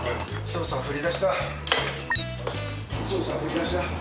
捜査は振り出しだ。